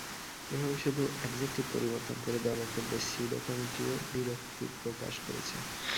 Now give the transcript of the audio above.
এভাবে শুধু অ্যাডজেকটিভ পরিবর্তন করে দেওয়া বক্তব্যে সিডও কমিটিও বিরক্তি প্রকাশ করেছে।